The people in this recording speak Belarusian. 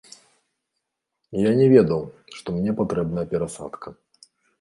Я не ведаў, што мне патрэбная перасадка.